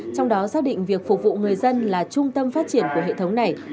trong đó xác định việc phục vụ người dân là trung tâm phát triển của hệ thống này